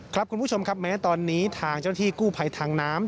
คุณผู้ชมครับแม้ตอนนี้ทางเจ้าหน้าที่กู้ภัยทางน้ำ